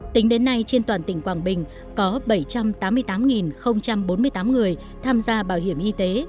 tính đến nay trên toàn tỉnh quảng bình có bảy trăm tám mươi tám bốn mươi tám người tham gia bảo hiểm y tế